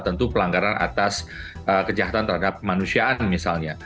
tentu pelanggaran atas kejahatan terhadap kemanusiaan misalnya